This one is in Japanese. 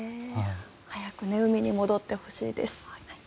早く海に戻ってほしいです。